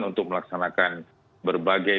untuk melaksanakan berbagai